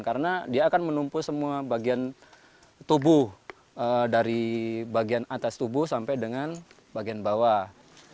karena dia akan menumpuh semua bagian tubuh dari bagian atas tubuh sampai dengan bagian bawah